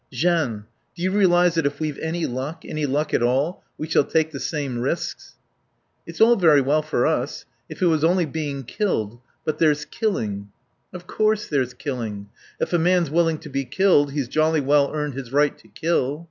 "... Jeanne do you realise that if we've any luck, any luck at all, we shall take the same risks?" "It's all very well for us. If it was only being killed But there's killing." "Of course there's killing. If a man's willing to be killed he's jolly well earned his right to kill.